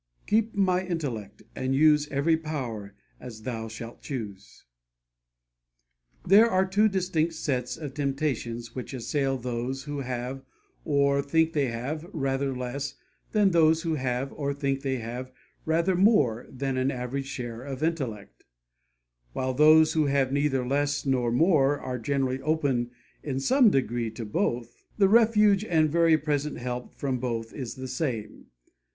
'Keep my intellect, and use Every power as Thou shalt choose.' There are two distinct sets of temptations which assail those who have, or think they have, rather less, and those who have, or think they have, rather more than an average share of intellect; while those who have neither less nor more are generally open in some degree to both. The refuge and very present help from both is the same.